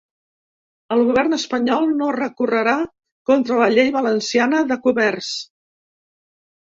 El govern espanyol no recorrerà contra la llei valenciana de comerç.